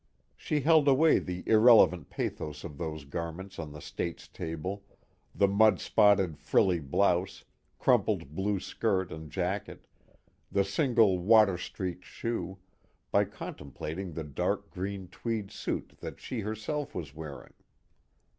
She held away the irrelevant pathos of those garments on the State's table, the mud spotted frilly blouse, crumpled blue skirt and jacket, the single water streaked shoe, by contemplating the dark green tweed suit that she herself was wearing.